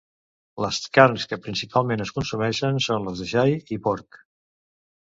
Les carns que principalment es consumeixen són les de xai i porc.